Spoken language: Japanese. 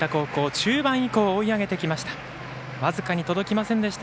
中盤以降、追い上げてきました。